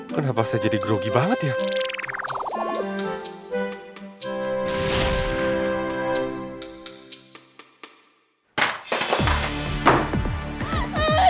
kenapa saya jadi grogi banget ya